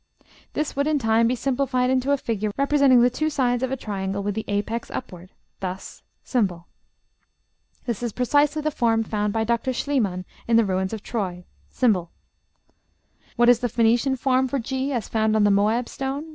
This would in time be simplified into a figure representing the two sides of a triangle with the apex upward, thus, ###. This is precisely the form found by Dr. Schliemann in the ruins of Troy, ###. What is the Phoenician form for g as found on the Moab stone?